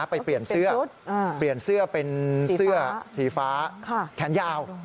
เปลี่ยนเสื้อเปลี่ยนเสื้อเป็นเสื้อสีฟ้าแขนยาว